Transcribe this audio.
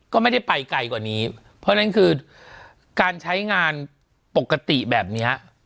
ก็ไม่ได้ไปไกลกว่านี้เพราะฉะนั้นคือการใช้งานปกติแบบเนี้ย